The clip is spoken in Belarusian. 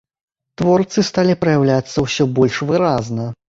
Творцы сталі праяўляцца ўсё больш выразна.